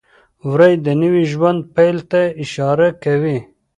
وری د نوي ژوند پیل ته اشاره کوي.